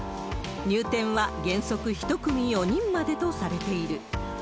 入店は原則１組２人までとされている。